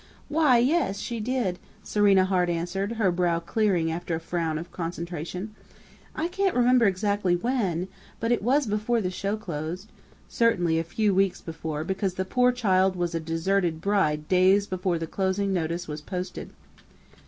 "Why, yes, she did!" Serena Hart answered, her brow clearing after a frown of concentration. "I can't remember exactly when, but it was before the show closed certainly a few weeks before, because the poor child was a deserted bride days before the closing notice was posted."